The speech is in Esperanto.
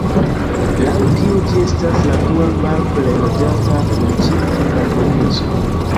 Laŭ tio ĝi estas la dua malplej loĝata municipo en la provinco.